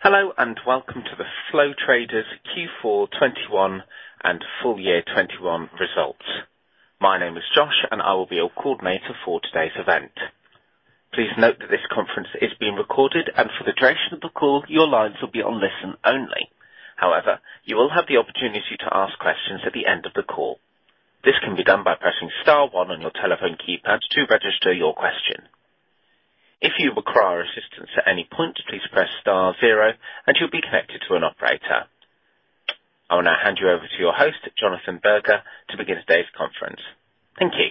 Hello, and welcome to the Flow Traders Q4 2021 and full year 2021 results. My name is Josh, and I will be your coordinator for today's event. Please note that this conference is being recorded, and for the duration of the call, your lines will be on listen only. However, you will have the opportunity to ask questions at the end of the call. This can be done by pressing star one on your telephone keypad to register your question. If you require assistance at any point, please press star zero and you'll be connected to an operator. I wanna hand you over to your host, Jonathan Berger, to begin today's conference. Thank you.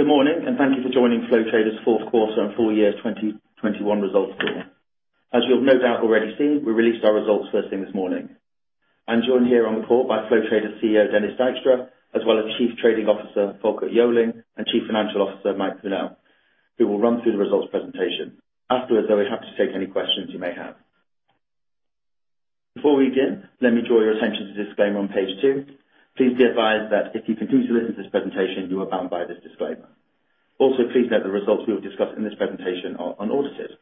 Good morning, and thank you for joining Flow Traders' fourth quarter and full year 2021 results call. As you have no doubt already seen, we released our results first thing this morning. I'm joined here on the call by Flow Traders CEO, Dennis Dijkstra, as well as Chief Trading Officer, Folkert Joling, and Chief Financial Officer, Mike Kuehnel, who will run through the results presentation. Afterwards, they'll be happy to take any questions you may have. Before we begin, let me draw your attention to the disclaimer on page two. Please be advised that if you continue to listen to this presentation, you are bound by this disclaimer. Also, please note the results we will discuss in this presentation are unaudited.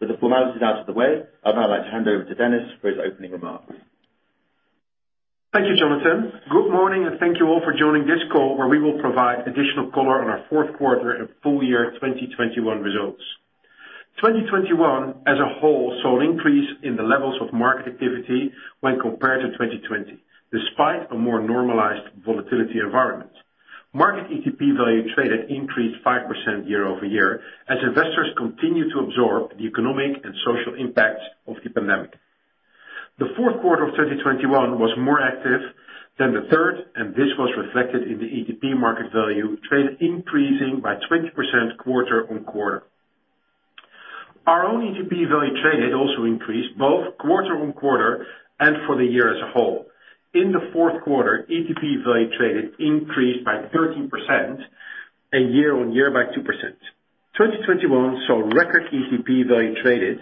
With the formalities out of the way, I'd now like to hand over to Dennis for his opening remarks. Thank you, Jonathan. Good morning, and thank you all for joining this call where we will provide additional color on our fourth quarter and full year 2021 results. 2021, as a whole, saw an increase in the levels of market activity when compared to 2020, despite a more normalized volatility environment. Market ETP value traded increased 5% year-over-year as investors continued to absorb the economic and social impacts of the pandemic. The fourth quarter of 2021 was more active than the third, and this was reflected in the ETP market value traded increasing by 20% quarter-on-quarter. Our own ETP value traded also increased both quarter-on-quarter and for the year as a whole. In the fourth quarter, ETP value traded increased by 13% and year-on-year by 2%. 2021 saw record ETP value traded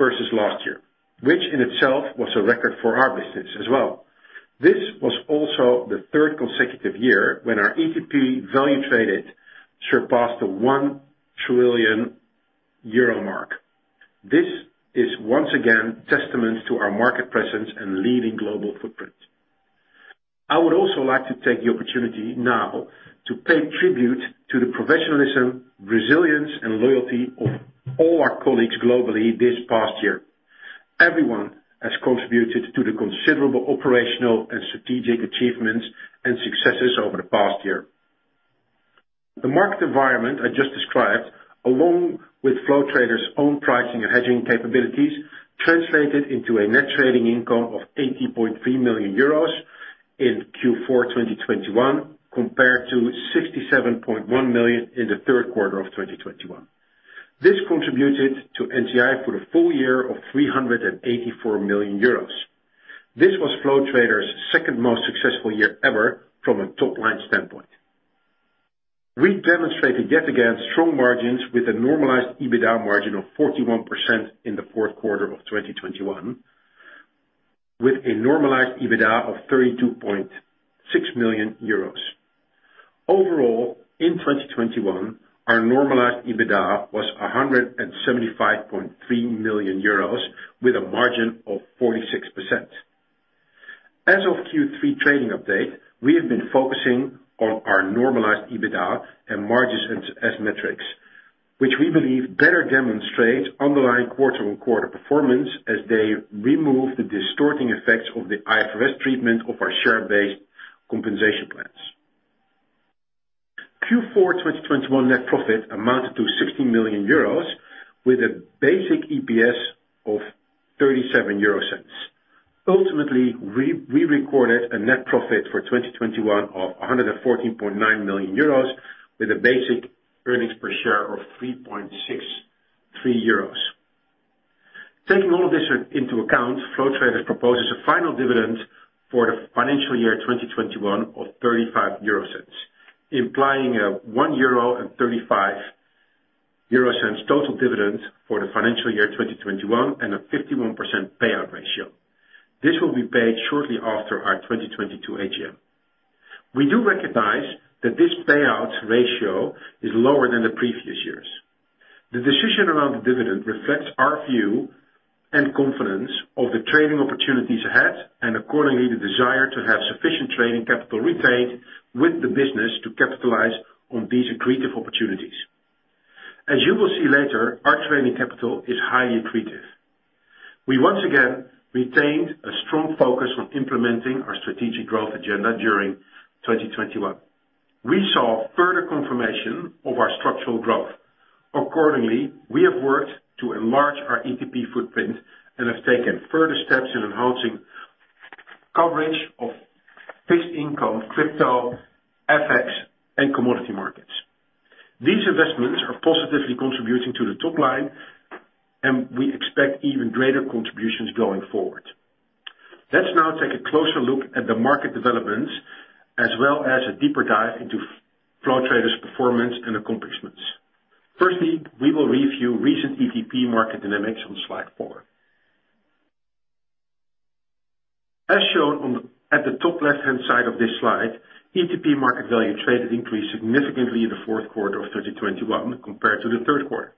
versus last year, which in itself was a record for our business as well. This was also the third consecutive year when our ETP value traded surpassed the 1 trillion euro mark. This is once again testament to our market presence and leading global footprint. I would also like to take the opportunity now to pay tribute to the professionalism, resilience, and loyalty of all our colleagues globally this past year. Everyone has contributed to the considerable operational and strategic achievements and successes over the past year. The market environment I just described, along with Flow Traders' own pricing and hedging capabilities, translated into a net trading income of 80.3 million euros in Q4 2021, compared to 67.1 million in the third quarter of 2021. This contributed to NTI for the full year of 384 million euros. This was Flow Traders' second most successful year ever from a top-line standpoint. We demonstrated yet again strong margins with a normalized EBITDA margin of 41% in the fourth quarter of 2021, with a normalized EBITDA of 32.6 million euros. Overall, in 2021, our normalized EBITDA was 175.3 million euros with a margin of 46%. As of Q3 trading update, we have been focusing on our normalized EBITDA and margins as metrics, which we believe better demonstrate underlying quarter-on-quarter performance as they remove the distorting effects of the IFRS treatment of our share-based compensation plans. Q4 2021 net profit amounted to 60 million euros with a basic EPS of 0.37. Ultimately, we recorded a net profit for 2021 of 114.9 million euros with a basic earnings per share of 3.63 euros. Taking all of this into account, Flow Traders proposes a final dividend for the financial year 2021 of 0.35, implying a 1.35 euro total dividend for the financial year 2021 and a 51% payout ratio. This will be paid shortly after our 2022 AGM. We do recognize that this payout ratio is lower than the previous years. The decision around the dividend reflects our view and confidence of the trading opportunities ahead, and accordingly, the desire to have sufficient trading capital retained with the business to capitalize on these accretive opportunities. As you will see later, our trading capital is highly accretive. We once again retained a strong focus on implementing our strategic growth agenda during 2021. We saw further confirmation of our structural growth. Accordingly, we have worked to enlarge our ETP footprint and have taken further steps in enhancing coverage of fixed income, crypto, FX, and commodity markets. These investments are positively contributing to the top line, and we expect even greater contributions going forward. Let's now take a closer look at the market developments as well as a deeper dive into Flow Traders' performance and accomplishments. Firstly, we will review recent ETP market dynamics on slide 4. As shown at the top left-hand side of this slide, ETP market value traded increased significantly in the fourth quarter of 2021 compared to the third quarter.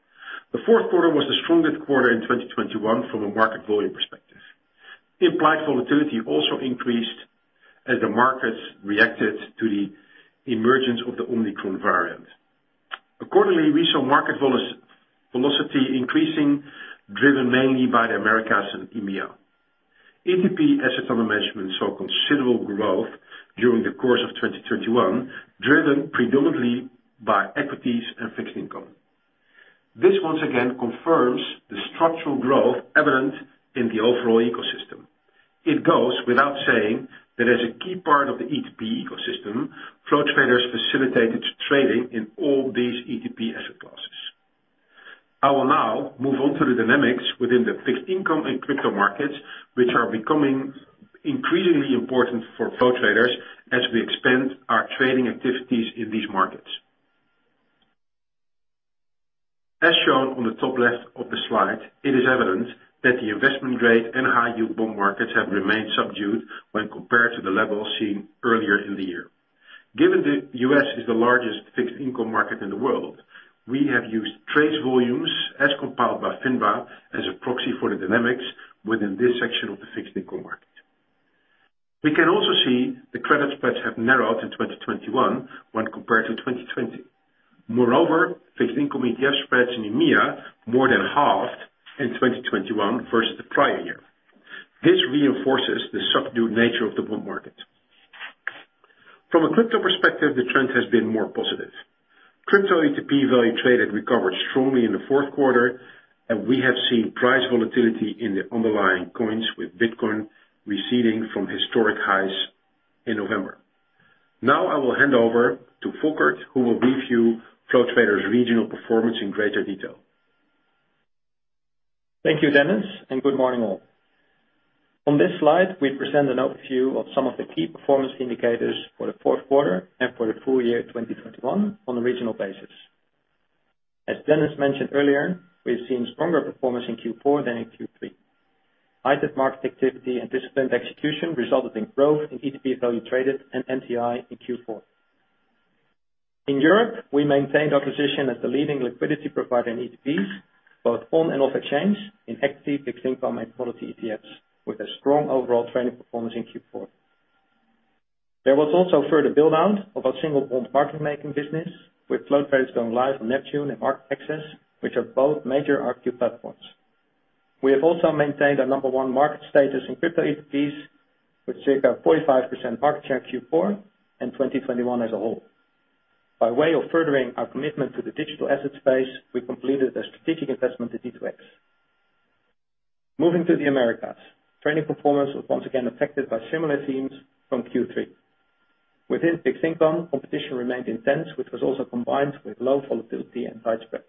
The fourth quarter was the strongest quarter in 2021 from a market volume perspective. Implied volatility also increased as the markets reacted to the emergence of the Omicron variant. Accordingly, we saw market volatility increasing, driven mainly by the Americas and EMEA. ETP assets under management saw considerable growth during the course of 2021, driven predominantly by equities and fixed income. This once again confirms the structural growth evident in the overall ecosystem. It goes without saying that as a key part of the ETP ecosystem, Flow Traders facilitated trading in all these ETP asset classes. I will now move on to the dynamics within the fixed income and crypto markets, which are becoming increasingly important for Flow Traders as we expand our trading activities in these markets. As shown on the top left of the slide, it is evident that the investment grade and high yield bond markets have remained subdued when compared to the levels seen earlier in the year. Given the U.S. is the largest fixed income market in the world, we have used trade volumes as compiled by FINRA as a proxy for the dynamics within this section of the fixed income market. We can also see the credit spreads have narrowed in 2021 when compared to 2020. Moreover, fixed income ETF spreads in EMEA more than halved in 2021 versus the prior year. This reinforces the subdued nature of the bond market. From a crypto perspective, the trend has been more positive. Crypto ETP value traded recovered strongly in the fourth quarter, and we have seen price volatility in the underlying coins, with Bitcoin receding from historic highs in November. Now I will hand over to Folkert, who will brief you on Flow Traders' regional performance in greater detail. Thank you, Dennis, and good morning, all. On this slide, we present an overview of some of the key performance indicators for the fourth quarter and for the full year 2021 on a regional basis. As Dennis mentioned earlier, we've seen stronger performance in Q4 than in Q3. Heightened market activity and disciplined execution resulted in growth in ETP value traded and NTI in Q4. In Europe, we maintained our position as the leading liquidity provider in ETPs, both on and off exchange in equity, fixed income, and commodity ETFs, with a strong overall trading performance in Q4. There was also further build-out of our single bond market-making business, with Flow Traders going live on Neptune and MarketAxess, which are both major RFQ platforms. We have also maintained our number one market status in crypto ETPs with circa 45% market share in Q4 and 2021 as a whole. By way of furthering our commitment to the digital asset space, we completed a strategic investment in D2X. Moving to the Americas, trading performance was once again affected by similar themes from Q3. Within fixed income, competition remained intense, which was also combined with low volatility and tight spreads.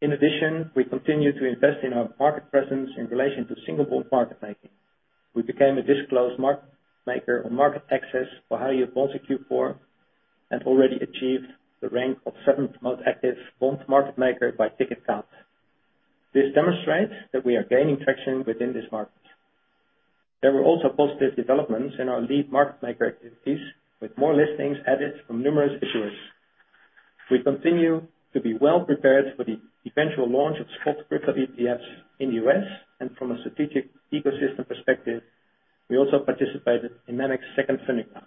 In addition, we continued to invest in our market presence in relation to single bond market making. We became a disclosed market maker on MarketAxess for high yield bonds in Q4 and already achieved the rank of seventh most active bond market maker by ticket count. This demonstrates that we are gaining traction within this market. There were also positive developments in our lead market maker activities, with more listings added from numerous issuers. We continue to be well-prepared for the eventual launch of spot crypto ETFs in the U.S., and from a strategic ecosystem perspective, we also participated in MEMX's second funding round.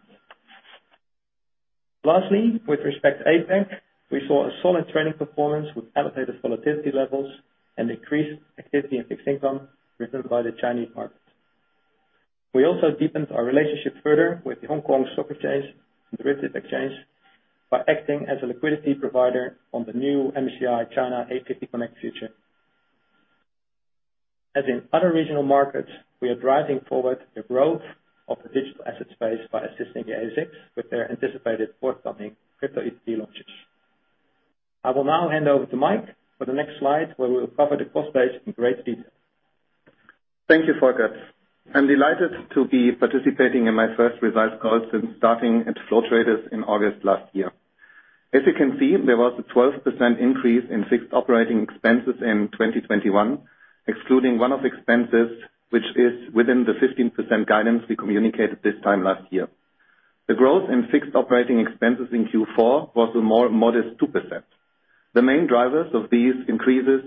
Lastly, with respect to APAC, we saw a solid trading performance with elevated volatility levels and increased activity in fixed income driven by the Chinese market. We also deepened our relationship further with the Hong Kong Stock Exchange and Futures Exchange by acting as a liquidity provider on the new MSCI China A 50 Connect futures. As in other regional markets, we are driving forward the growth of the digital asset space by assisting the ASX with their anticipated forthcoming crypto ETP launches. I will now hand over to Mike for the next slide, where we will cover the cost base in great detail. Thank you, Folkert. I'm delighted to be participating in my first results call since starting at Flow Traders in August last year. As you can see, there was a 12% increase in fixed operating expenses in 2021, excluding one-off expenses, which is within the 15% guidance we communicated this time last year. The growth in fixed operating expenses in Q4 was a more modest 2%. The main drivers of these increases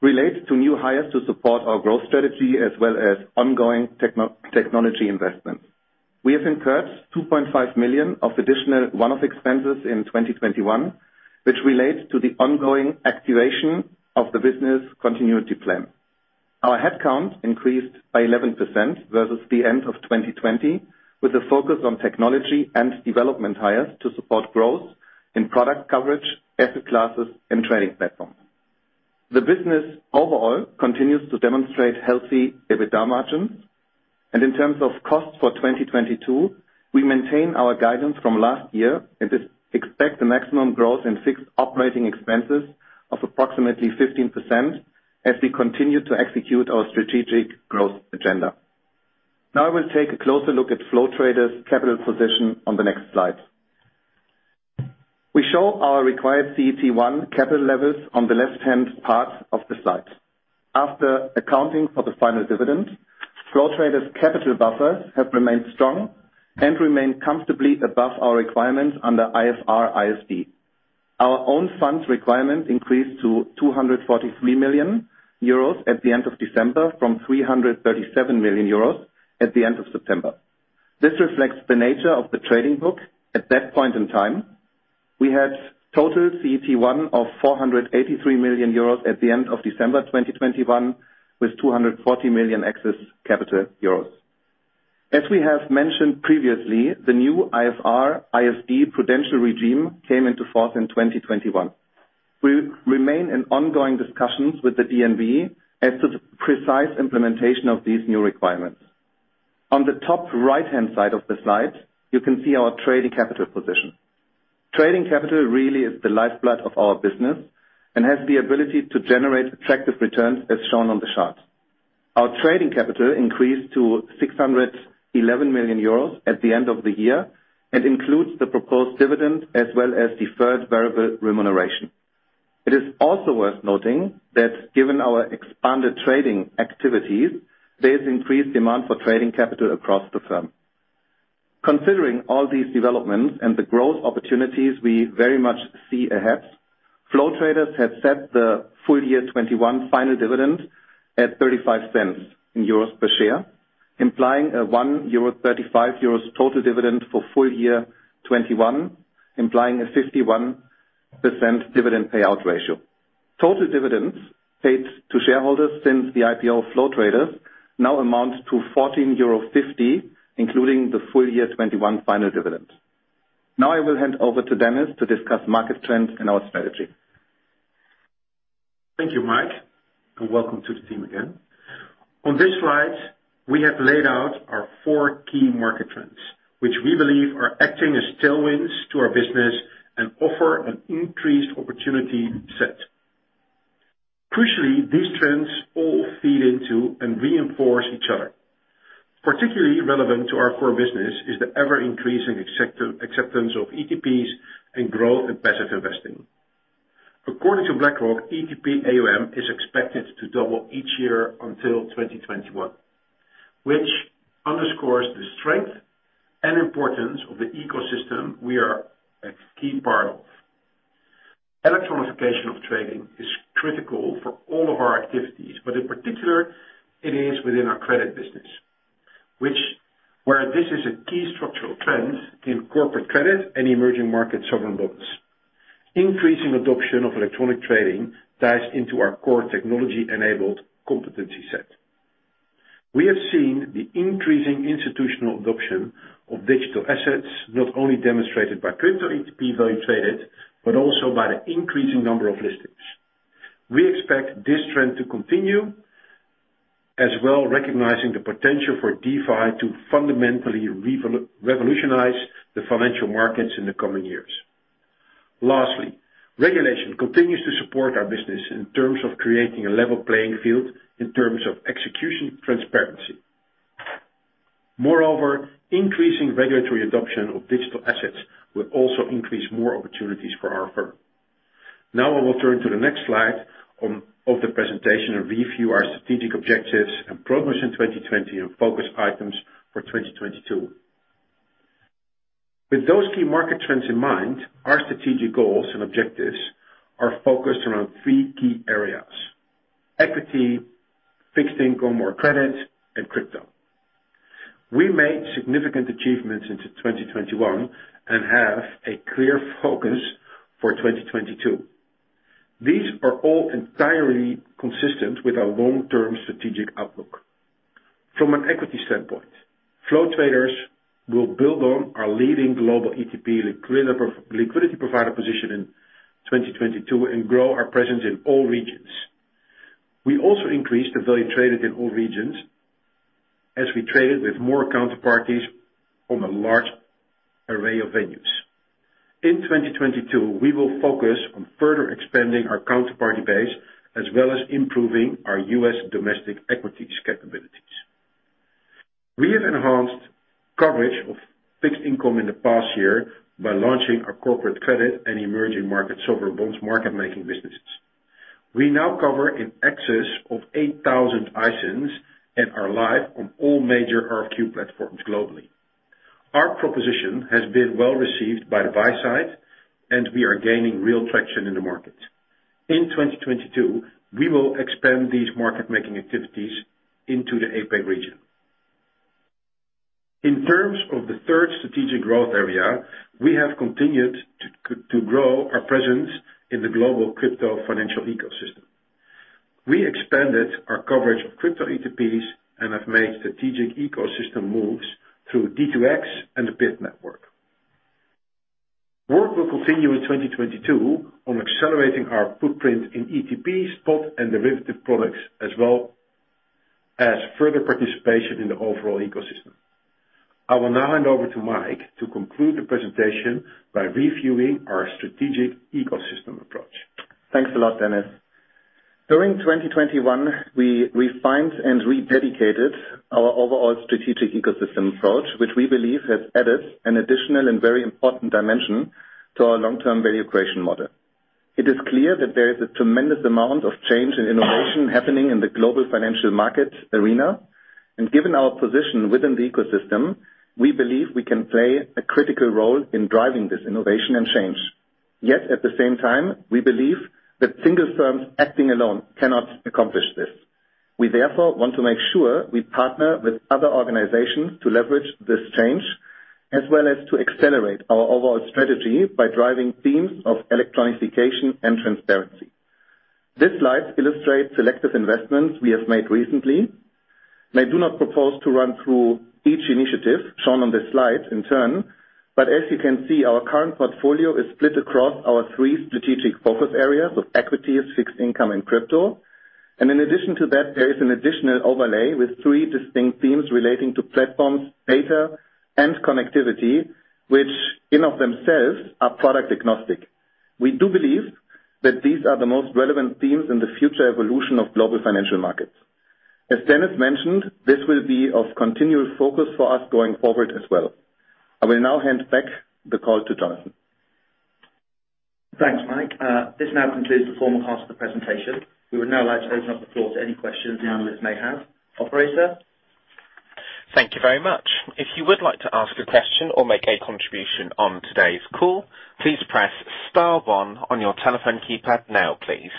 relate to new hires to support our growth strategy as well as ongoing technology investments. We have incurred 2.5 million of additional one-off expenses in 2021, which relates to the ongoing activation of the business continuity plan. Our headcount increased by 11% versus the end of 2020, with a focus on technology and development hires to support growth in product coverage, asset classes, and trading platforms. The business overall continues to demonstrate healthy EBITDA margins, and in terms of costs for 2022, we maintain our guidance from last year and expect a maximum growth in fixed operating expenses of approximately 15% as we continue to execute our strategic growth agenda. Now I will take a closer look at Flow Traders' capital position on the next slide. We show our required CET1 capital levels on the left-hand part of the slide. After accounting for the final dividend, Flow Traders' capital buffers have remained strong and remain comfortably above our requirements under IFR/IFD. Our own funds requirements increased to 243 million euros at the end of December from 337 million euros at the end of September. This reflects the nature of the trading book at that point in time. We had total CET1 of 483 million euros at the end of December 2021, with 240 million excess capital euros. As we have mentioned previously, the new IFR/IFD Prudential regime came into force in 2021. We remain in ongoing discussions with the DNB as to the precise implementation of these new requirements. On the top right-hand side of the slide, you can see our trading capital position. Trading capital really is the lifeblood of our business and has the ability to generate attractive returns, as shown on the chart. Our trading capital increased to 611 million euros at the end of the year and includes the proposed dividend as well as deferred variable remuneration. It is also worth noting that given our expanded trading activities, there's increased demand for trading capital across the firm. Considering all these developments and the growth opportunities we very much see ahead, Flow Traders have set the full year 2021 final dividend at 0.35 per share, implying a 1.35 euro total dividend for full year 2021, implying a 51% dividend payout ratio. Total dividends paid to shareholders since the IPO of Flow Traders now amount to EUR 14.50, including the full year 2021 final dividend. Now I will hand over to Dennis to discuss market trends and our strategy. Thank you, Mike, and welcome to the team again. On this slide, we have laid out our four key market trends, which we believe are acting as tailwinds to our business and offer an increased opportunity set. Crucially, these trends all feed into and reinforce each other. Particularly relevant to our core business is the ever-increasing acceptance of ETPs in growth and passive investing. According to BlackRock, ETP AUM is expected to double each year until 2021, which underscores the strength and importance of the ecosystem we are a key part of. Electronification of trading is critical for all of our activities, but in particular it is within our credit business, where this is a key structural trend in corporate credit and emerging market sovereign bonds. Increasing adoption of electronic trading ties into our core technology-enabled competency set. We have seen the increasing institutional adoption of digital assets, not only demonstrated by crypto ETP value traded, but also by the increasing number of listings. We expect this trend to continue as well, recognizing the potential for DeFi to fundamentally revolutionize the financial markets in the coming years. Lastly, regulation continues to support our business in terms of creating a level playing field in terms of execution transparency. Moreover, increasing regulatory adoption of digital assets will also increase more opportunities for our firm. Now I will turn to the next slide of the presentation and review our strategic objectives and progress in 2020 and focus items for 2022. With those key market trends in mind, our strategic goals and objectives are focused around three key areas. Equity, fixed income or credit, and crypto. We made significant achievements in 2021 and have a clear focus for 2022. These are all entirely consistent with our long-term strategic outlook. From an equity standpoint, Flow Traders will build on our leading global ETP liquidity provider position in 2022 and grow our presence in all regions. We also increased the value traded in all regions as we traded with more counterparties from a large array of venues. In 2022, we will focus on further expanding our counterparty base as well as improving our U.S. domestic equities capabilities. We have enhanced coverage of fixed income in the past year by launching our corporate credit and emerging market sovereign bonds market making businesses. We now cover in excess of 8,000 ISINs and are live on all major RFQ platforms globally. Our proposition has been well-received by the buy side, and we are gaining real traction in the market. In 2022, we will expand these market-making activities into the APAC region. In terms of the third strategic growth area, we have continued to grow our presence in the global crypto financial ecosystem. We expanded our coverage of crypto ETPs and have made strategic ecosystem moves through D2X and the Bit Network. Work will continue in 2022 on accelerating our footprint in ETP, spot, and derivative products as well as further participation in the overall ecosystem. I will now hand over to Mike to conclude the presentation by reviewing our strategic ecosystem approach. Thanks a lot, Dennis. During 2021, we refined and rededicated our overall strategic ecosystem approach, which we believe has added an additional and very important dimension to our long-term value creation model. It is clear that there is a tremendous amount of change and innovation happening in the global financial market arena, and given our position within the ecosystem, we believe we can play a critical role in driving this innovation and change. Yet, at the same time, we believe that single firms acting alone cannot accomplish this. We therefore want to make sure we partner with other organizations to leverage this change, as well as to accelerate our overall strategy by driving themes of electronification and transparency. This slide illustrates selective investments we have made recently, and I do not propose to run through each initiative shown on this slide in turn. As you can see, our current portfolio is split across our three strategic focus areas of equity, fixed income, and crypto. In addition to that, there is an additional overlay with three distinct themes relating to platforms, data, and connectivity, which in and of themselves are product agnostic. We do believe that these are the most relevant themes in the future evolution of global financial markets. As Dennis mentioned, this will be of continuous focus for us going forward as well. I will now hand back the call to Jonathan. Thanks, Mike. This now concludes the formal part of the presentation. We would now like to open up the floor to any questions the analysts may have. Operator. Thank you very much. If you would like to ask a question or make a contribution on today's call, please press star one on your telephone keypad now, please.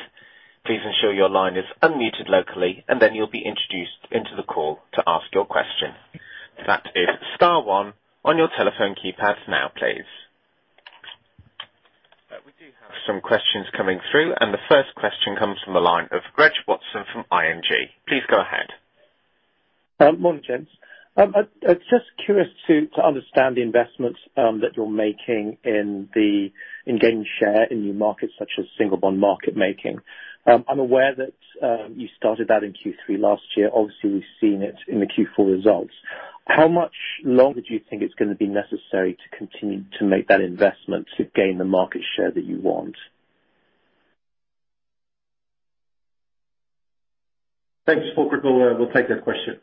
Please ensure your line is unmuted locally, and then you'll be introduced into the call to ask your question. That is star one on your telephone keypad now, please. We do have some questions coming through, and the first question comes from the line of Reg Watson from ING. Please go ahead. Morning, gents. I'm just curious to understand the investments that you're making in gaining share in new markets such as single bond market making. I'm aware that you started that in Q3 last year. Obviously, we've seen it in the Q4 results. How much longer do you think it's gonna be necessary to continue to make that investment to gain the market share that you want? Thanks. Folkert will take that question.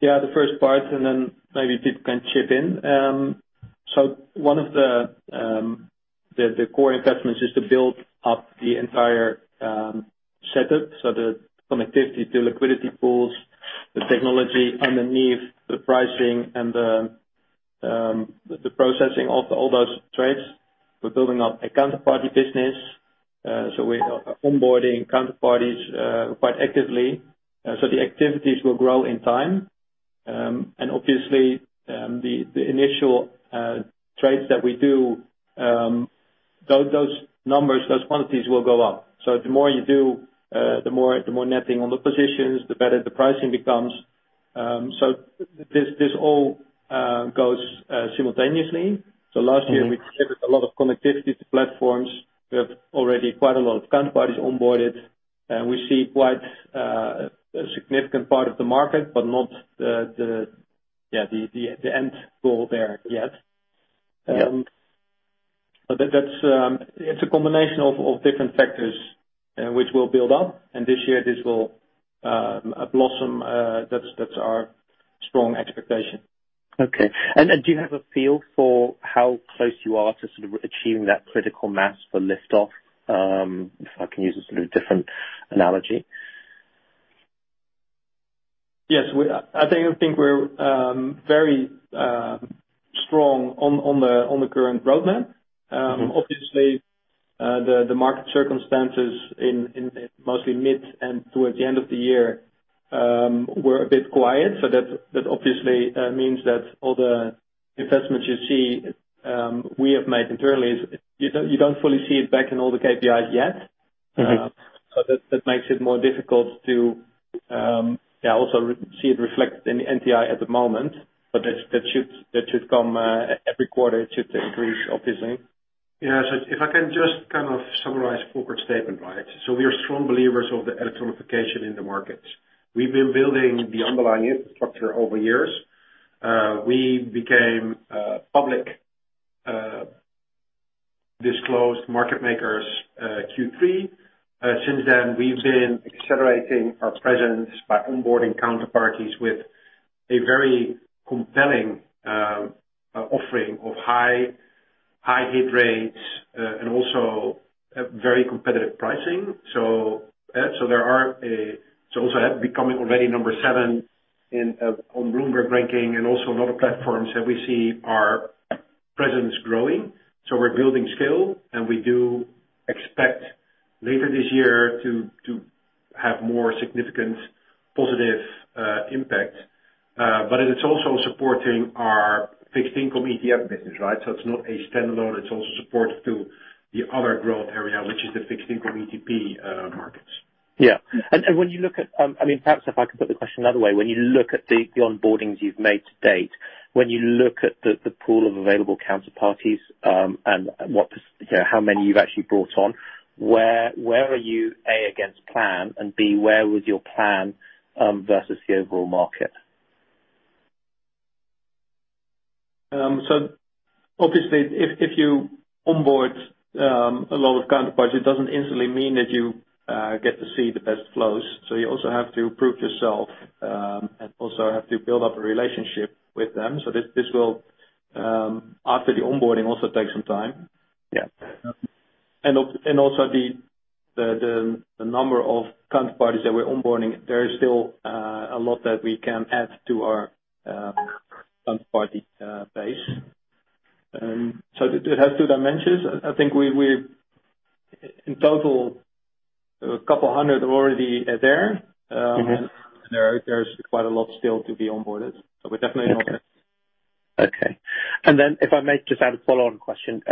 Yeah, the first part, and then maybe Dijks can chip in. One of the core investments is to build up the entire setup. The connectivity to liquidity pools, the technology underneath the pricing and the processing of all those trades. We're building up a counterparty business, so we are onboarding counterparties quite actively. The activities will grow in time. Obviously, the initial trades that we do, those numbers, those quantities will go up. The more you do, the more netting on the positions, the better the pricing becomes. This all goes simultaneously. Last year. Mm-hmm. We delivered a lot of connectivity to platforms. We have already quite a lot of counterparties onboarded, and we see quite a significant part of the market, but not the end goal there yet. Yeah. That's a combination of different factors which we'll build on. This year, this will blossom. That's our strong expectation. Do you have a feel for how close you are to sort of achieving that critical mass for lift off? If I can use a sort of different analogy. Yes. I think we're very strong on the current roadmap. Obviously, the market circumstances in mostly mid and towards the end of the year were a bit quiet. That obviously means that all the investments you see we have made internally, you don't fully see it back in all the KPIs yet. Mm-hmm. That makes it more difficult to also see it reflected in the NTI at the moment. That should come every quarter it should increase, obviously. Yeah. If I can just kind of summarize Folkert's statement, right? We are strong believers in the electronification in the markets. We've been building the underlying infrastructure over the years. We became publicly disclosed market makers in Q3. Since then, we've been accelerating our presence by onboarding counterparties with a very compelling offering of high hit rates and also very competitive pricing. We are also becoming already number 7 on the Bloomberg ranking and also in other platforms that we see our presence growing. We're building scale, and we do expect later this year to have more significant positive impact. It is also supporting our fixed income ETF business, right? It's not a standalone, it's also support to the other growth area, which is the fixed income ETP markets. I mean, perhaps if I could put the question another way, when you look at the onboardings you've made to date, when you look at the pool of available counterparties, and what, you know, how many you've actually brought on, where are you, A, against plan, and B, where was your plan versus the overall market? Obviously, if you onboard a lot of counterparties, it doesn't instantly mean that you get to see the best flows. You also have to prove yourself and also have to build up a relationship with them. This will, after the onboarding, also take some time. Yeah. Also, the number of counterparties that we're onboarding, there is still a lot that we can add to our counterparty base. It has two dimensions. I think we've in total a couple hundred already are there. Mm-hmm. There, there's quite a lot still to be onboarded. We're definitely open. Okay. If I may just add a follow-on question.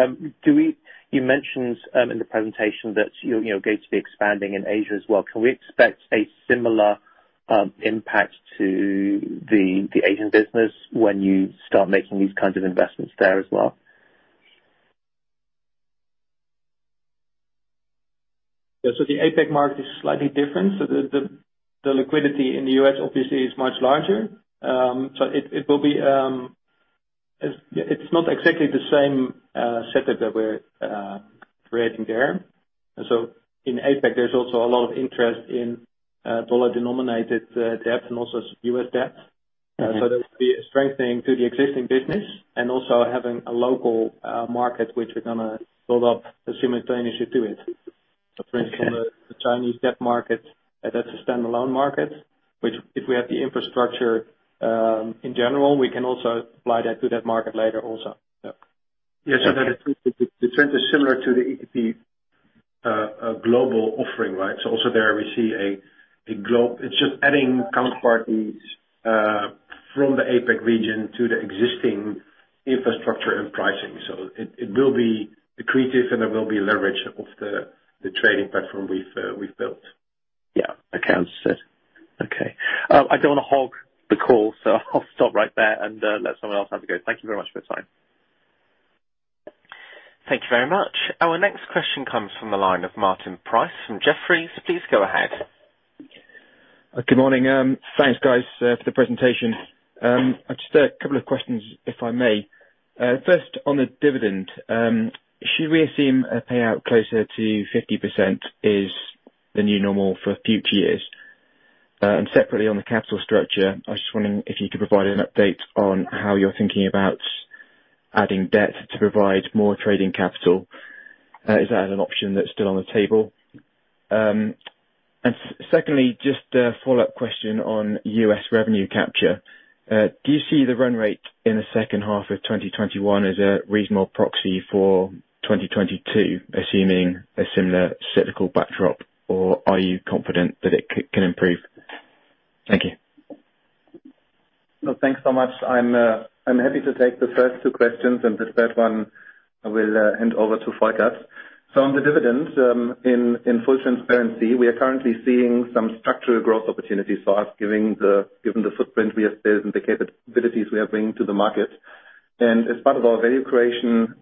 You mentioned, in the presentation that you know, you're going to be expanding in Asia as well. Can we expect a similar impact to the Asian business when you start making these kinds of investments there as well? Yeah. The APAC market is slightly different. The liquidity in the U.S. obviously is much larger. It's not exactly the same setup that we're creating there. In APAC, there's also a lot of interest in dollar-denominated debt and also U.S. debt. Mm-hmm. That would be a strengthening to the existing business and also having a local market which we're gonna build up simultaneously to it. Okay. For instance, the Chinese debt market, that's a standalone market, which if we have the infrastructure, in general, we can also apply that to that market later also. Yeah. Okay. Yes. The trend is similar to the ETP global offering, right? Also there we see it's just adding counterparties from the APAC region to the existing infrastructure and pricing. It will be accretive, and there will be leverage of the trading platform we've built. Yeah. Okay. Understood. Okay. I don't wanna hog the call, so I'll stop right there and let someone else have a go. Thank you very much for the time. Thank you very much. Our next question comes from the line of Martin Price from Jefferies. Please go ahead. Good morning. Thanks guys for the presentation. I've just a couple of questions, if I may. First on the dividend, should we assume a payout closer to 50% is the new normal for future years? And separately on the capital structure, I was just wondering if you could provide an update on how you're thinking about adding debt to provide more trading capital. Is that an option that's still on the table? Secondly, just a follow-up question on U.S. revenue capture. Do you see the run rate in the second half of 2021 as a reasonable proxy for 2022, assuming a similar cyclical backdrop, or are you confident that it can improve? Thank you. Well, thanks so much. I'm happy to take the first two questions, and the third one I will hand over to Folkert. On the dividend, in full transparency, we are currently seeing some structural growth opportunities for us, given the footprint we have there and the capabilities we are bringing to the market. As part of our value creation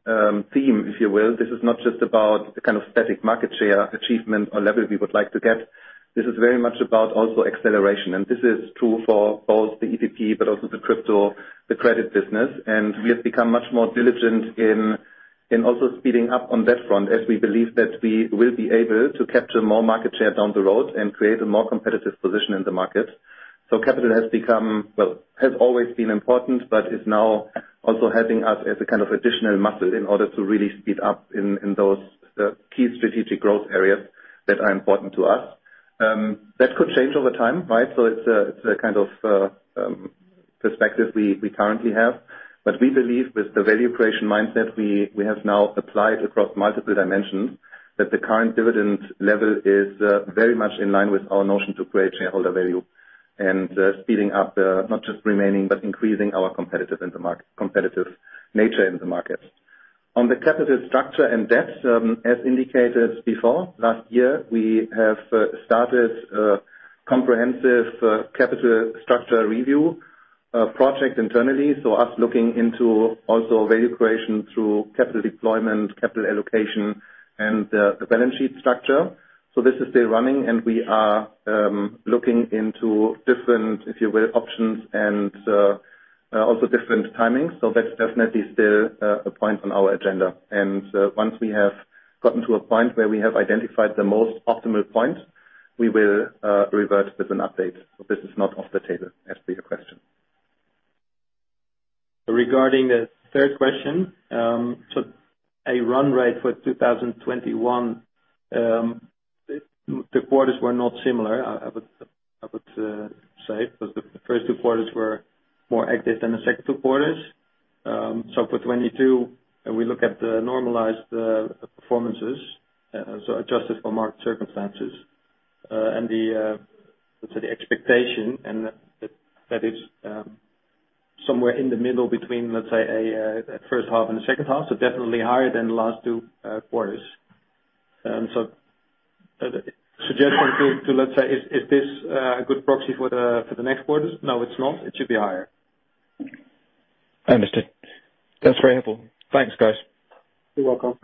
theme, if you will, this is not just about the kind of static market share achievement or level we would like to get. This is very much about also acceleration, and this is true for both the ETP but also the crypto, the credit business. We have become much more diligent in also speeding up on that front, as we believe that we will be able to capture more market share down the road and create a more competitive position in the market. Capital has become. Well, has always been important but is now also helping us as a kind of additional muscle in order to really speed up in those key strategic growth areas that are important to us. That could change over time, right? It's a kind of perspective we currently have. We believe with the value creation mindset we have now applied across multiple dimensions, that the current dividend level is very much in line with our notion to create shareholder value and speeding up, not just remaining, but increasing our competitive nature in the market. On the capital structure and debt, as indicated before, last year, we have started a comprehensive capital structure review project internally, looking into also value creation through capital deployment, capital allocation and the balance sheet structure. This is still running, and we are looking into different, if you will, options and also different timings. That's definitely still a point on our agenda. Once we have gotten to a point where we have identified the most optimal point, we will revert with an update. This is not off the table, as per your question. Regarding the third question, a run rate for 2021, the quarters were not similar. I would say. Because the first two quarters were more active than the second two quarters. For 2022, we look at the normalized performances, adjusted for market circumstances, and the expectation. That is somewhere in the middle between a first half and a second half, so definitely higher than the last two quarters. The suggestion, let's say, is this a good proxy for the next quarters? No, it's not. It should be higher. I understand. That's very helpful. Thanks, guys. You're welcome.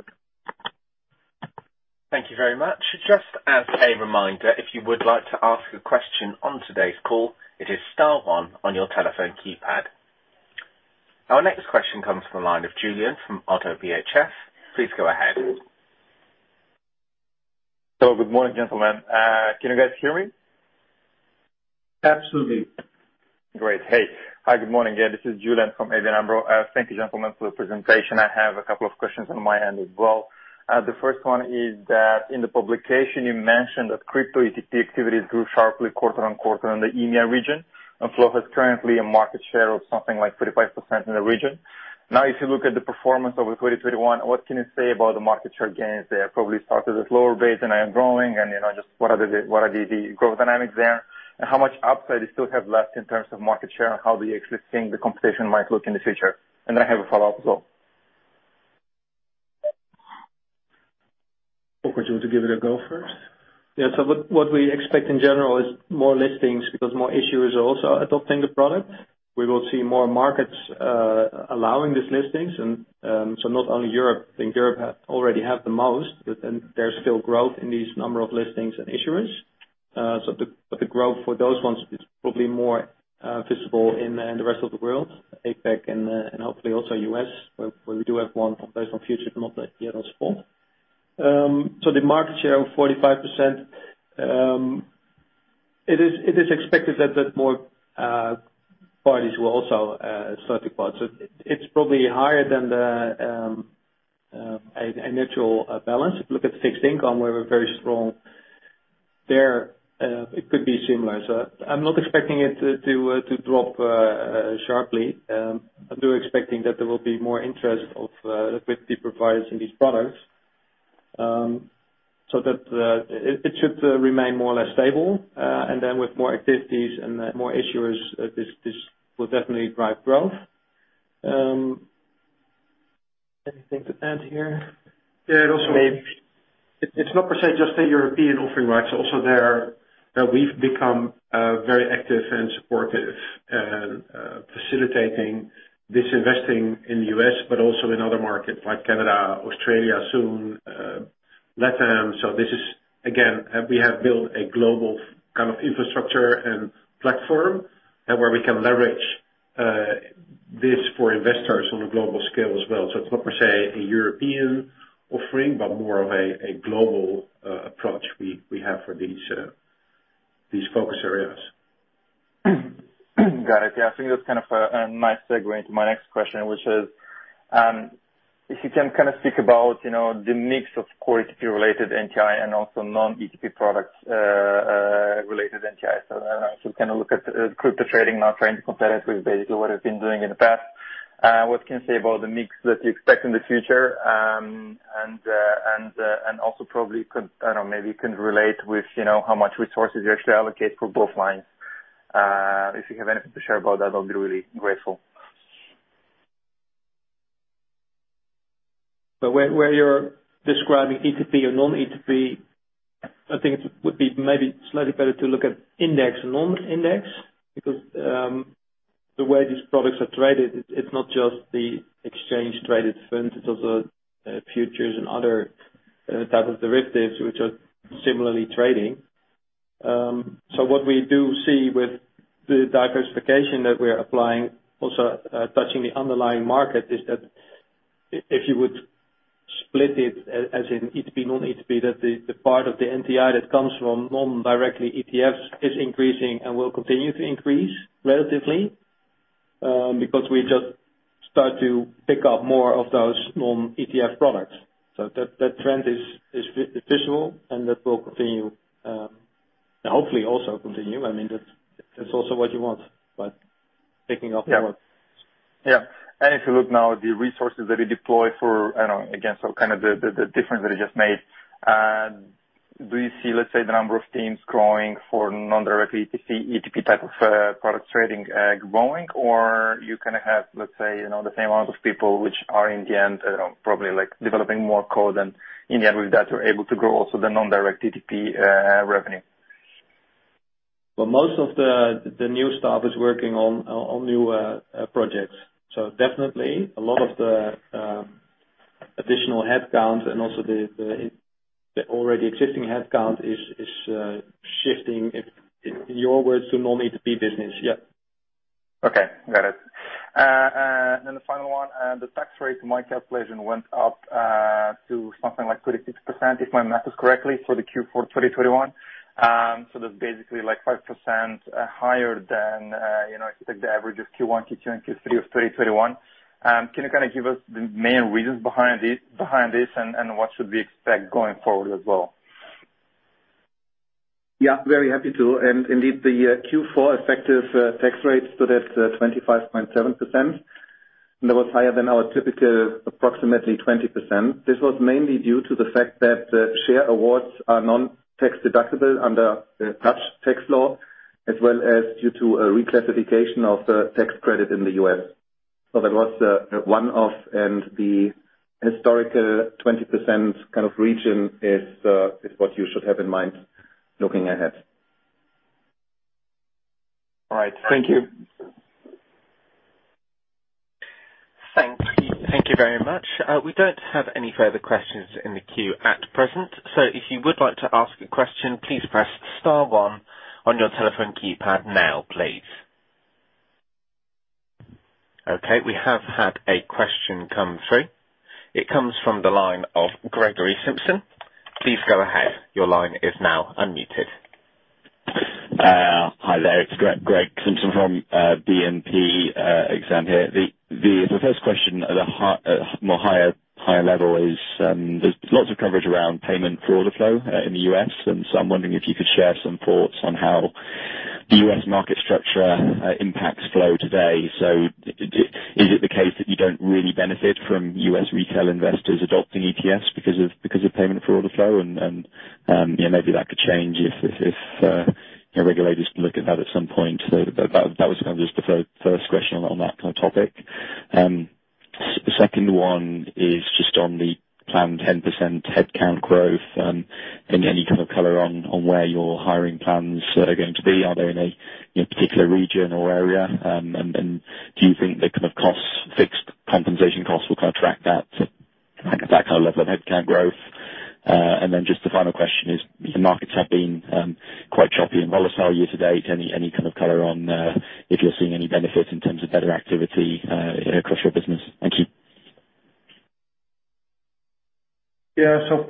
Thank you very much. Just as a reminder, if you would like to ask a question on today's call, it is star one on your telephone keypad. Our next question comes from the line of Julian from ODDO BHF. Please go ahead. Good morning, gentlemen. Can you guys hear me? Absolutely. Great. Hey. Hi, good morning. Yeah, this is Julian from ABN AMRO. Thank you, gentlemen, for the presentation. I have a couple of questions on my end as well. The first one is that in the publication you mentioned that crypto ETP activities grew sharply quarter-over-quarter in the EMEA region. Flow has currently a market share of something like 35% in the region. Now, if you look at the performance over 2021, what can you say about the market share gains there? Probably started at lower rates and are growing and, you know, just what are the growth dynamics there? How much upside you still have left in terms of market share, and how do you actually think the competition might look in the future? I have a follow-up as well. Folkert, do you want to give it a go first? Yeah. What we expect in general is more listings because more issuers are also adopting the product. We will see more markets allowing these listings and not only Europe. I think Europe already have the most, but then there's still growth in the number of listings and issuers. But the growth for those ones is probably more visible in the rest of the world, APAC and hopefully also U.S., where we do have one based on futures, but not yet as full. The market share of 45%, it is expected that more parties will also start to buy. It is probably higher than a natural balance. If you look at fixed income, where we're very strong there, it could be similar. I'm not expecting it to drop sharply. I'm still expecting that there will be more interest of liquidity providers in these products, so that it should remain more or less stable. Then with more activities and more issuers, this will definitely drive growth. Anything to add here? It’s not per se just a European offering, right? Also there that we’ve become very active and supportive and facilitating this investing in the U.S., but also in other markets like Canada, Australia soon, Latin America. This is again, we have built a global kind of infrastructure and platform and where we can leverage this for investors on a global scale as well. It’s not per se a European offering, but more of a global approach we have for these focus areas. Got it. Yeah. I think that's kind of a nice segue into my next question, which is, if you can kind of speak about, you know, the mix of core ETP-related NTI and also non-ETP products related NTI. So kind of look at crypto trading, not trying to compare it with basically what it's been doing in the past. What can you say about the mix that you expect in the future? And also probably could, I don't know, maybe you can relate with, you know, how much resources you actually allocate for both lines. If you have anything to share about that, I'll be really grateful. Where you're describing ETP or non-ETP, I think it would be maybe slightly better to look at index and non-index. Because the way these products are traded, it's not just the exchange-traded funds, it's also futures and other types of derivatives which are similarly trading. What we do see with the diversification that we're applying, also touching the underlying market, is that if you would split it as in ETP, non-ETP, that the part of the NTI that comes from non-ETP is increasing and will continue to increase relatively, because we just start to pick up more of those non-ETF products. That trend is visible and that will continue, hopefully also continue. I mean, that's also what you want, but picking up more. Yeah. If you look now at the resources that you deploy for, I don't know, again, so kind of the difference that you just made, do you see, let's say, the number of teams growing for non-directly ETP type of product trading growing? Or you kind of have, let's say, you know, the same amount of people which are in the end, I don't know, probably like developing more code and in the end with that you're able to grow also the non-direct ETP revenue. Well, most of the new staff is working on new projects. Definitely a lot of the additional headcount and also the already existing headcount is shifting, if in your words, to non-ETP business. Yeah. Okay. Got it. The final one. The tax rate in my calculation went up to something like 36%, if my math is correct, for the Q4 2021. That's basically like 5% higher than, you know, if you take the average of Q1, Q2, and Q3 of 2021. Can you kind of give us the main reasons behind this, and what should we expect going forward as well? Yeah, very happy to. Indeed, the Q4 effective tax rate stood at 25.7%. That was higher than our typical approximately 20%. This was mainly due to the fact that share awards are non-tax deductible under Dutch tax law, as well as due to a reclassification of tax credit in the US. That was a one-off, and the historical 20% kind of region is what you should have in mind looking ahead. All right. Thank you. Thank you very much. We don't have any further questions in the queue at present, so if you would like to ask a question, please press star one on your telephone keypad now, please. Okay, we have had a question come through. It comes from the line of Gregory Simpson. Please go ahead. Your line is now unmuted. Hi there. It's Gregory Simpson from BNP Paribas Exane here. The first question at a higher level is, there's lots of coverage around payment for order flow in the U.S., and so I'm wondering if you could share some thoughts on how the U.S. market structure impacts flow today. So is it the case that you don't really benefit from U.S. retail investors adopting ETFs because of payment for order flow? And you know, maybe that could change if regulators look at that at some point. So that was kind of just the first question on that kind of topic. Second one is just on the planned 10% headcount growth. Any kind of color on where your hiring plans are going to be? Are they in a, you know, particular region or area? Do you think the kind of costs, fixed compensation costs, will kind of track that kind of level of headcount growth? Just the final question is, you know, markets have been quite choppy and volatile year to date. Any kind of color on if you're seeing any benefit in terms of better activity across your business? Thank you.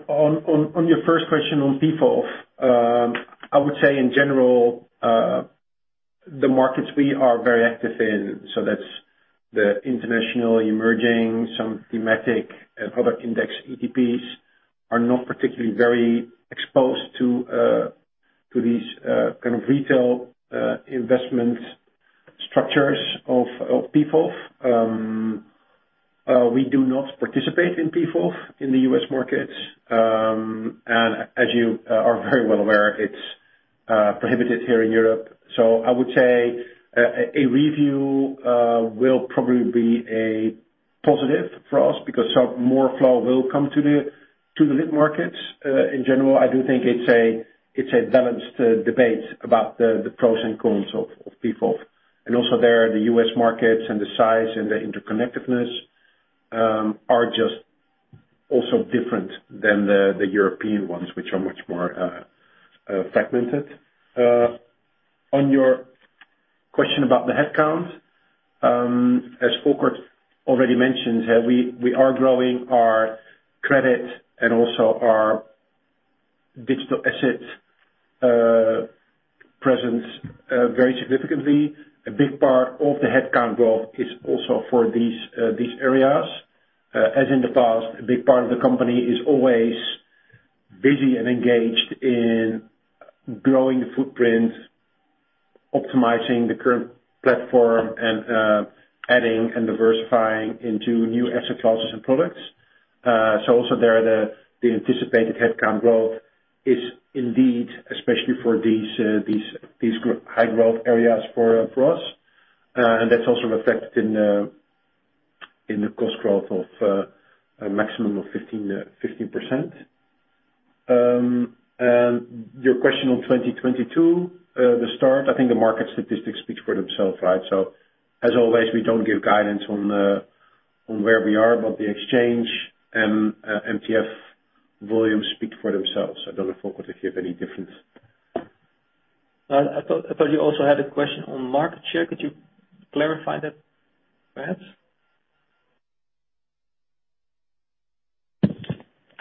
On your first question on PFOF, I would say in general, the markets we are very active in, so that's the international, emerging, some thematic and public index ETPs, are not particularly very exposed to these kind of retail investment structures of PFOF. We do not participate in PFOF in the U.S. markets, and as you are very well aware, it's prohibited here in Europe. I would say a review will probably be a positive for us because some more flow will come to the lit markets. In general, I do think it's a balanced debate about the pros and cons of PFOF. Also there, the US markets and the size and the interconnectedness are just also different than the European ones, which are much more fragmented. On your question about the headcount, as Folkert already mentioned, we are growing our credit and also our digital asset presence very significantly. A big part of the headcount growth is also for these areas. As in the past, a big part of the company is always busy and engaged in growing the footprint, optimizing the current platform and adding and diversifying into new asset classes and products. Also there, the anticipated headcount growth is indeed especially for these high growth areas for us. That's also reflected in the cost growth of a maximum of 15%. Your question on 2022, the start, I think the market statistics speaks for themselves, right? As always, we don't give guidance on where we are, but the exchange and MTF volumes speak for themselves. I don't know, Folkert, if you have any difference. I thought you also had a question on market share. Could you clarify that perhaps?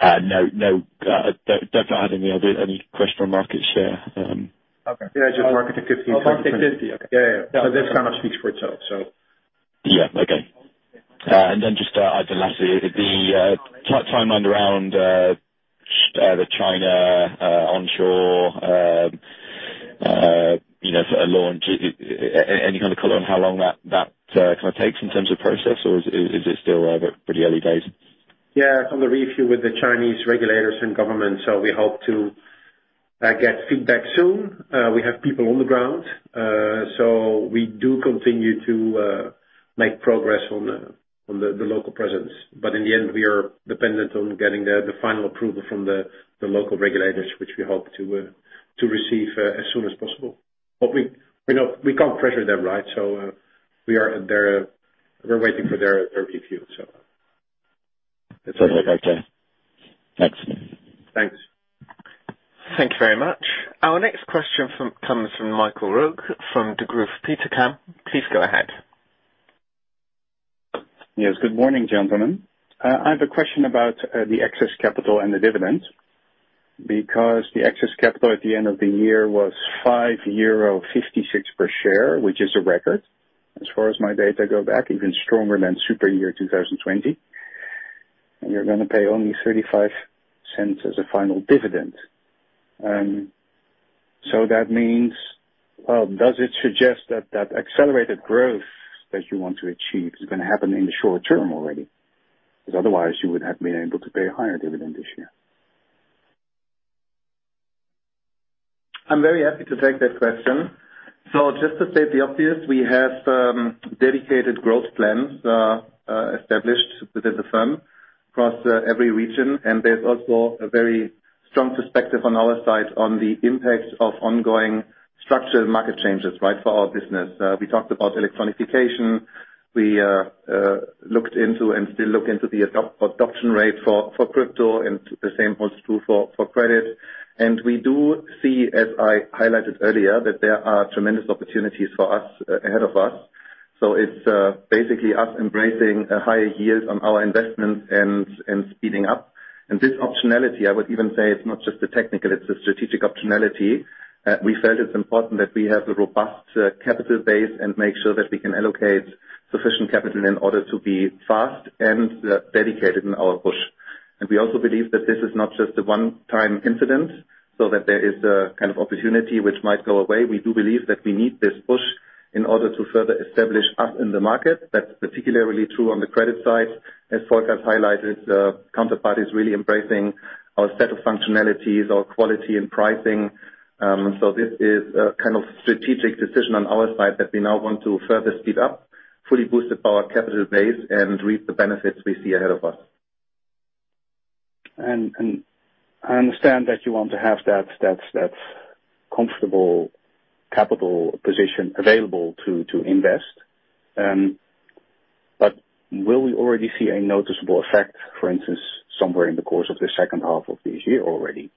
No, no. Don't have any other question on market share. Okay. Yeah, just market to 50 and 2022. Market to fifty. Okay. Yeah, yeah. This kind of speaks for itself, so. Yeah. Okay. Just the last thing. The timeline around the China onshore, you know, launch. Any kind of color on how long that kind of takes in terms of process, or is it still pretty early days? Yeah. From the review with the Chinese regulators and government, we hope to get feedback soon. We have people on the ground, so we do continue to make progress on the local presence. In the end, we are dependent on getting the final approval from the local regulators, which we hope to receive as soon as possible. We know we can't pressure them, right? We're waiting for their review. Perfect. Okay. Excellent. Thanks. Thank you very much. Our next question comes from Michael Roeg from Degroof Petercam. Please go ahead. Yes, good morning, gentlemen. I have a question about the excess capital and the dividends, because the excess capital at the end of the year was 5.56 euro per share, which is a record as far as my data go back, even stronger than super year 2020. You're gonna pay only 0.35 as a final dividend. So that means. Well, does it suggest that that accelerated growth that you want to achieve is gonna happen in the short term already? 'Cause otherwise, you would have been able to pay a higher dividend this year. I'm very happy to take that question. Just to state the obvious, we have dedicated growth plans established within the firm. Across every region. There's also a very strong perspective on our side on the impact of ongoing structural market changes, right, for our business. We talked about electronification. We looked into and still look into the adoption rate for crypto, and the same holds true for credit. We do see, as I highlighted earlier, that there are tremendous opportunities for us, ahead of us. It's basically us embracing higher yields on our investments and speeding up. This optionality, I would even say it's not just the technical, it's a strategic optionality. We felt it's important that we have a robust capital base and make sure that we can allocate sufficient capital in order to be fast and dedicated in our push. We also believe that this is not just a one-time incident, so that there is a kind of opportunity which might go away. We do believe that we need this push in order to further establish us in the market. That's particularly true on the credit side. As Folkert highlighted, counterparties really embracing our set of functionalities, our quality and pricing. This is a kind of strategic decision on our side that we now want to further speed up, fully boosted by our capital base, and reap the benefits we see ahead of us. I understand that you want to have that comfortable capital position available to invest. Will we already see a noticeable effect, for instance, somewhere in the course of the second half of this year already?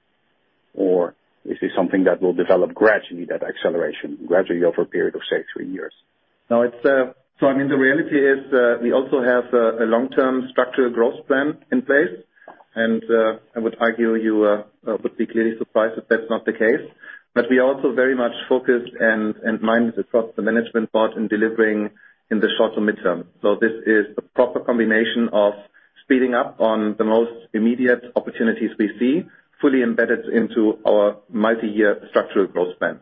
Or is this something that will develop gradually, that acceleration, gradually over a period of, say, three years? No, it's I mean, the reality is we also have a long-term structural growth plan in place, and I would argue you would be clearly surprised if that's not the case. We are also very much focused and minded across the Management Board in delivering in the short- to mid-term. This is a proper combination of speeding up on the most immediate opportunities we see, fully embedded into our multi-year structural growth plan.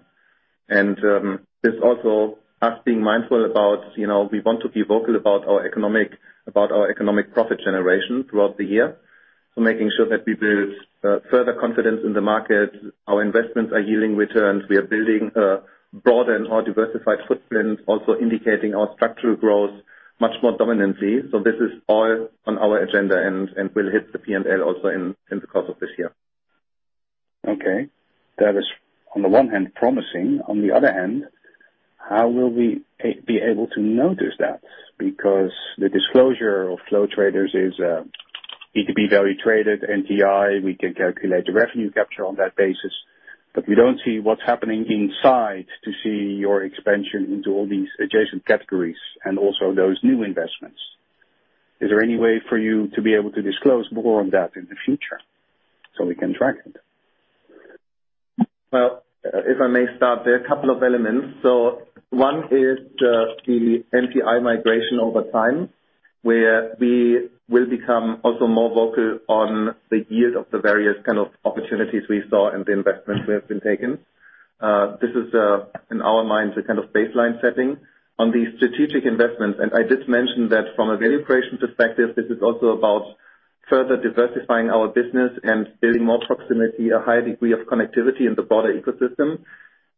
This also, us being mindful about, you know, we want to be vocal about our economic profit generation throughout the year, making sure that we build further confidence in the market, our investments are yielding returns. We are building a broader and more diversified footprint, also indicating our structural growth much more dominantly. This is all on our agenda and will hit the P&L also in the course of this year. Okay. That is on the one hand promising. On the other hand, how will we be able to notice that? Because the disclosure of Flow Traders is B2B value traded, NTI, we can calculate the revenue capture on that basis. But we don't see what's happening inside to see your expansion into all these adjacent categories and also those new investments. Is there any way for you to be able to disclose more on that in the future so we can track it? Well, if I may start, there are a couple of elements. One is, the NTI migration over time, where we will become also more vocal on the yield of the various kind of opportunities we saw and the investments that have been taken. This is, in our minds, a kind of baseline setting. On the strategic investments, and I just mentioned that from a value creation perspective, this is also about further diversifying our business and building more proximity, a high degree of connectivity in the broader ecosystem.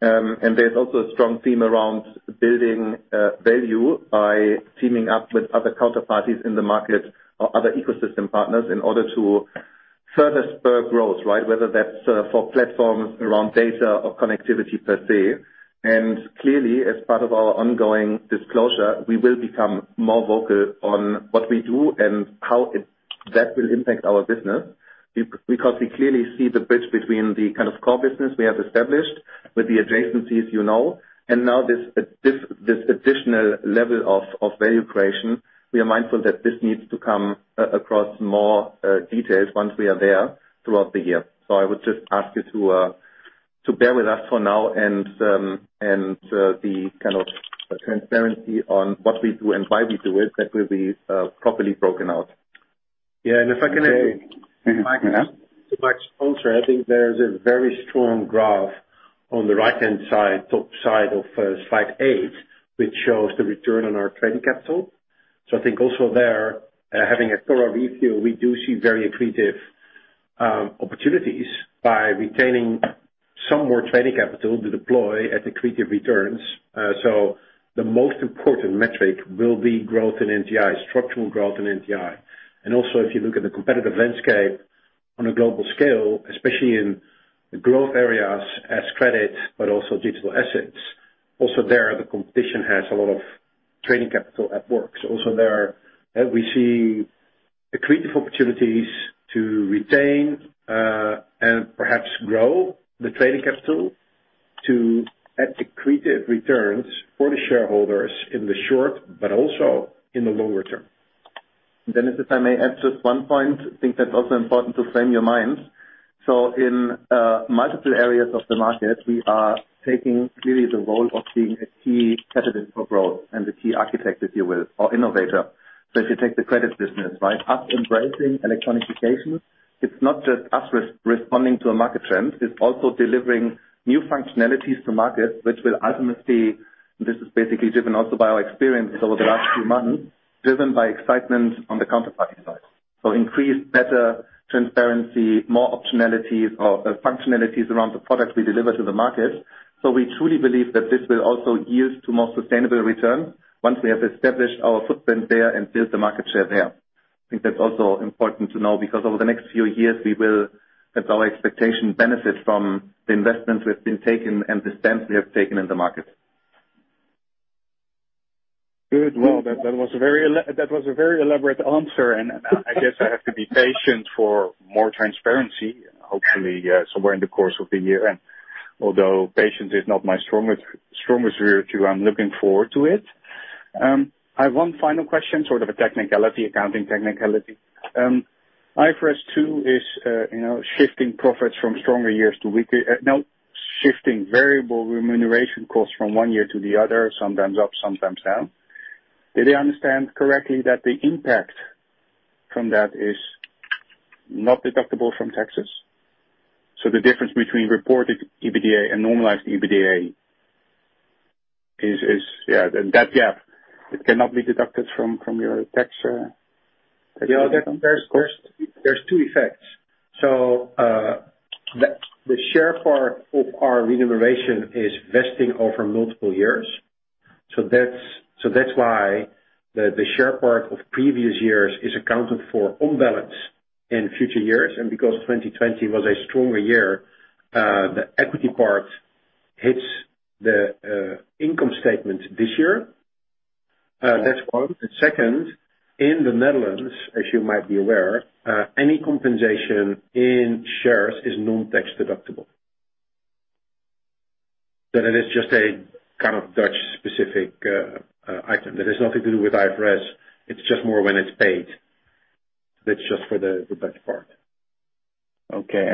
There's also a strong theme around building, value by teaming up with other counterparties in the market or other ecosystem partners in order to further spur growth, right? Whether that's, for platforms around data or connectivity per se. Clearly, as part of our ongoing disclosure, we will become more vocal on what we do and how it that will impact our business. Because we clearly see the bridge between the kind of core business we have established with the adjacencies you know, and now this additional level of value creation. We are mindful that this needs to come across more details once we are there throughout the year. I would just ask you to bear with us for now and the kind of transparency on what we do and why we do it, that will be properly broken out. If I can add to Mike's point, I think there is a very strong graph on the right-hand side, top side of slide 8, which shows the return on our trading capital. I think also there, having a thorough review, we do see very accretive opportunities by retaining some more trading capital to deploy at accretive returns. The most important metric will be growth in NTI, structural growth in NTI. Also, if you look at the competitive landscape on a global scale, especially in growth areas such as credit, but also digital assets, also there, the competition has a lot of trading capital at work. Also there, we see accretive opportunities to retain and perhaps grow the trading capital at accretive returns for the shareholders in the short but also in the longer term. Dennis, if I may add just one point, I think that's also important to frame your minds. In multiple areas of the market, we are taking really the role of being a key catalyst for growth and the key architect, if you will, or innovator. If you take the credit business, right? Us embracing electronification, it's not just us responding to a market trend, it's also delivering new functionalities to markets which will ultimately, this is basically driven also by our experience over the last few months, driven by excitement on the counterparty side. Increased better transparency, more optionalities or functionalities around the products we deliver to the market. We truly believe that this will also yield to more sustainable return once we have established our footprint there and built the market share there. I think that's also important to know because over the next few years, we will, that's our expectation, benefit from the investments we've been taking and the stance we have taken in the market. Good. Well, that was a very elaborate answer. I guess I have to be patient for more transparency, hopefully, somewhere in the course of the year. Although patience is not my strongest virtue, I'm looking forward to it. I have one final question, sort of a technicality, accounting technicality. IFRS 2 is, you know, shifting variable remuneration costs from one year to the other, sometimes up, sometimes down. Did I understand correctly that the impact from that is not deductible from taxes? The difference between reported EBITDA and normalized EBITDA is then that gap, it cannot be deducted from your tax- Yeah. There's two effects. The share part of our remuneration is vesting over multiple years. That's why the share part of previous years is accounted for on balance in future years. Because 2020 was a stronger year, the equity part hits the income statement this year. That's one. The second, in the Netherlands, as you might be aware, any compensation in shares is non-tax deductible. That it is just a kind of Dutch specific item. That has nothing to do with IFRS, it's just more when it's paid. That's just for the best part. Okay.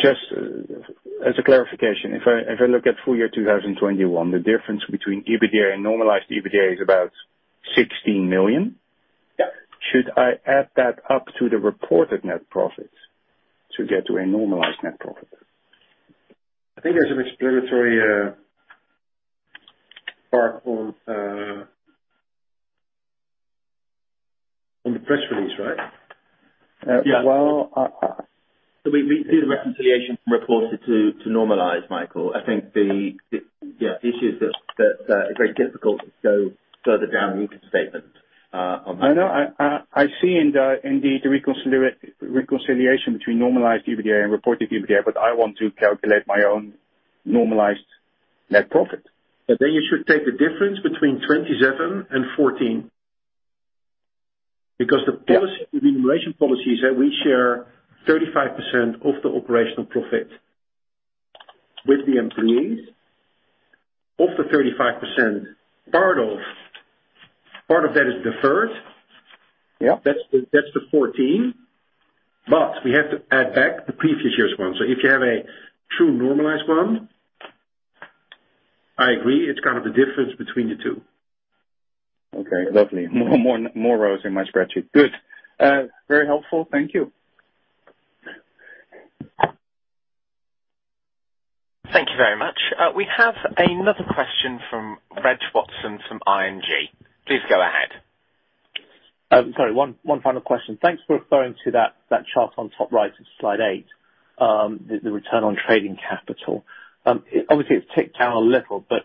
Just as a clarification, if I look at full year 2021, the difference between EBITDA and normalized EBITDA is about 16 million? Yeah. Should I add that up to the reported net profits to get to a normalized net profit? I think there's an explanatory part on the press release, right? Yeah. Well, We do the reconciliation from reported to normalize, Michael. I think the issue is that it's very difficult to go further down in the income statement on this. I know. I see in the reconciliation between normalized EBITDA and reported EBITDA, but I want to calculate my own normalized net profit. You should take the difference between 27 and 14. Because the policy- Yeah. The remuneration policy is that we share 35% of the operational profit with the employees. Of the 35%, part of that is deferred. Yeah. That's the 14. We have to add back the previous year's one. If you have a true normalized one, I agree, it's kind of the difference between the two. Okay, lovely. More rows in my spreadsheet. Good. Very helpful. Thank you. Thank you very much. We have another question from Reg Watson from ING. Please go ahead. Sorry, one final question. Thanks for referring to that chart on top right of slide 8, the return on trading capital. Obviously, it's ticked down a little, but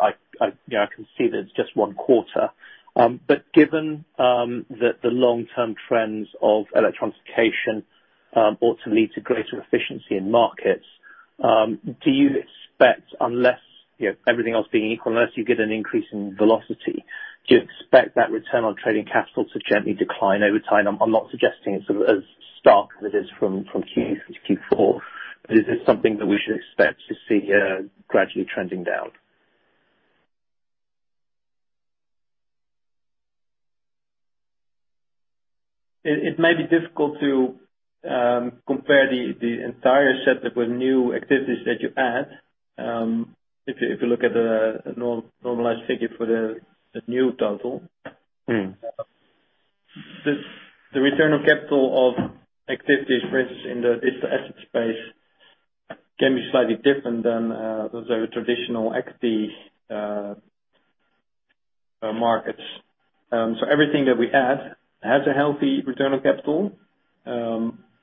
you know, I can see that it's just one quarter. But given the long-term trends of electronification ought to lead to greater efficiency in markets, do you expect, unless you know, everything else being equal, unless you get an increase in velocity, that return on trading capital to gently decline over time? I'm not suggesting it's as stark as it is from Q to Q4, but is this something that we should expect to see gradually trending down? It may be difficult to compare the entire setup with new activities that you add, if you look at the normalized figure for the new total. Mmh. The return on capital of activities, for instance, in the inter-asset space, can be slightly different than the traditional equity markets. Everything that we add has a healthy return on capital.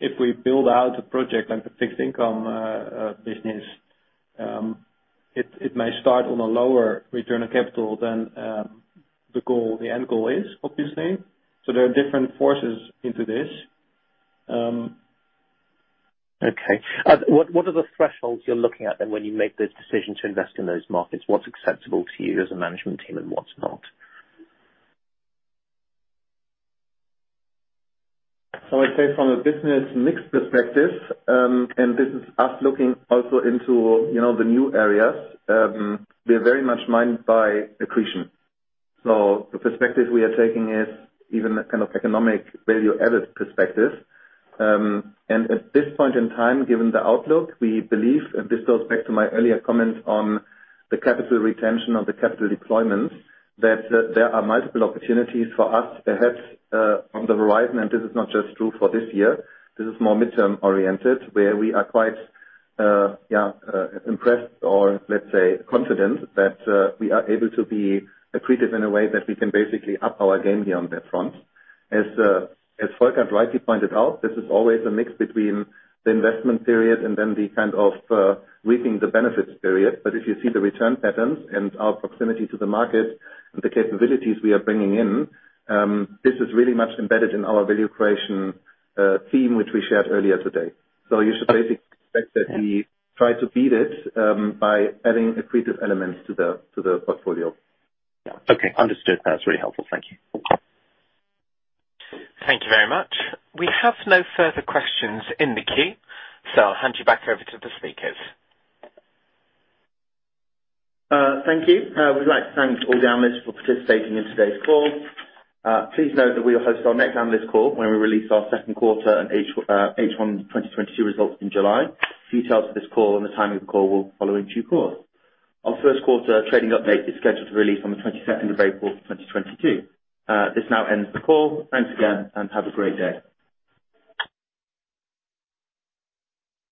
If we build out a project like a fixed income business, it may start on a lower return on capital than the end goal is, obviously. There are different forces into this. Okay. What are the thresholds you're looking at then when you make this decision to invest in those markets? What's acceptable to you as a management team and what's not? I'd say from a business mix perspective, and this is us looking also into, you know, the new areas, we are very much minded by accretion. The perspective we are taking is even a kind of economic value added perspective. At this point in time, given the outlook, we believe, and this goes back to my earlier comments on the capital retention or the capital deployment, that there are multiple opportunities for us perhaps on the horizon. This is not just true for this year. This is more midterm-oriented, where we are quite impressed or let's say confident that we are able to be accretive in a way that we can basically up our game here on that front. As Folkert rightly pointed out, this is always a mix between the investment period and then the kind of reaping the benefits period. If you see the return patterns and our proximity to the market and the capabilities we are bringing in, this is really much embedded in our value creation theme, which we shared earlier today. You should basically expect that we try to beat it by adding accretive elements to the portfolio. Okay, understood. That's really helpful. Thank you. Thank you very much. We have no further questions in the queue, so I'll hand you back over to the speakers. Thank you. We'd like to thank all the analysts for participating in today's call. Please note that we will host our next analyst call when we release our second quarter and H1 2022 results in July. Details of this call and the timing of the call will follow in due course. Our first quarter trading update is scheduled to release on the 22nd of April, 2022. This now ends the call. Thanks again, and have a great day.